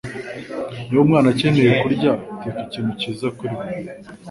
Niba umwana akeneye kurya, teka ikintu cyiza kuri we.